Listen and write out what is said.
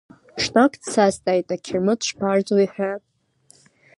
Ҽнак дсазҵааит ақьырмыт шԥарӡуеи ҳәа.